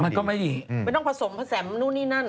ไม่ต้องผสมผสมนู่นนี่นั่น